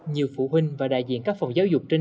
nhiều phụ huynh và đại diện các phòng giáo dục trên